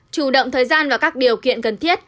chủ động thời gian và các điều kiện cần thiết